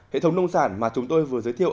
hệ thống nông sản mà chúng tôi vừa giới thiệu